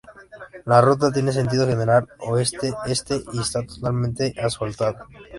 La ruta tiene sentido general oeste-este y está totalmente asfaltada.